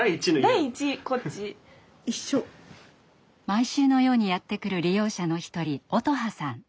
毎週のようにやって来る利用者の一人音羽さん。